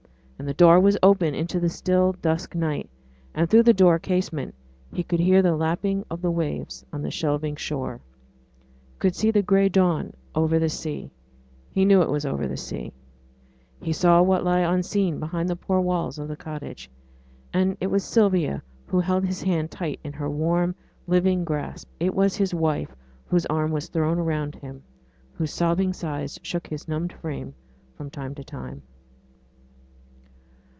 And the door was open into the still, dusk night; and through the open casement he could hear the lapping of the waves on the shelving shore, could see the soft gray dawn over the sea he knew it was over the sea he saw what lay unseen behind the poor walls of the cottage. And it was Sylvia who held his hand tight in her warm, living grasp; it was his wife whose arm was thrown around him, whose sobbing sighs shook his numbed frame from time to time.